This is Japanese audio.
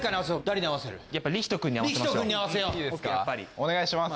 お願いします。